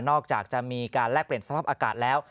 อกจากจะมีการแลกเปลี่ยนสภาพอากาศแล้ว